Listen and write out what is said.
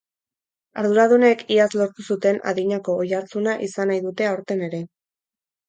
Arduradunek, iaz lortu zuten adinako oihartzuna izan nahi dute aurten ere.